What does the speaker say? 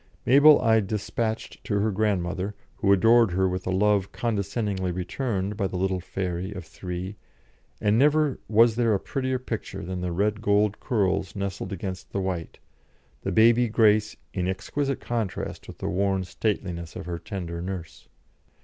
Mabel I despatched to her grandmother, who adored her with a love condescendingly returned by the little fairy of three, and never was there a prettier picture than the red gold curls nestled against the white, the baby grace in exquisite contrast with the worn stateliness of her tender nurse.